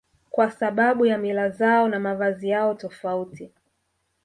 Kwa sababu ya mila zao na mavazi yao tofauti